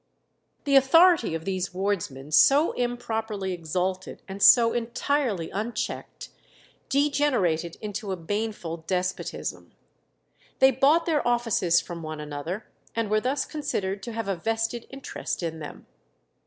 The authority of these wardsmen so improperly exalted, and so entirely unchecked, degenerated into a baneful despotism. They bought their offices from one another, and were thus considered to have a vested interest in them.